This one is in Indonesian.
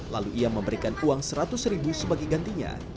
lalu ia memberikan uang seratus ribu sebagai gantinya